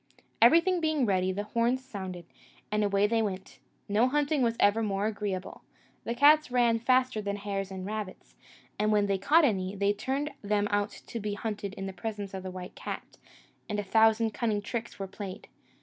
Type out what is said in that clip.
Everything being ready, the horns sounded, and away they went: no hunting was ever more agreeable. The cats ran faster than the hares and rabbits; and when they caught any, they turned them out to be hunted in the presence of the white cat, and a thousand cunning tricks were played.